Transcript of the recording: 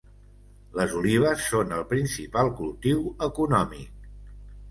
Les olives són el principal cultiu econòmic.